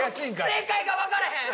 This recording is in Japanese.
正解がわからへん！